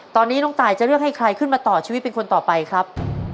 ตอนนี้น้องตายจะเลือกให้ใครขึ้นมาต่อชีวิตเป็นคนต่อไปครับ